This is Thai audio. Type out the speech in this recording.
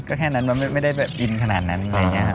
ก็แค่นั้นมันไม่ได้แบบอินขนาดนั้นอะไรอย่างนี้ครับ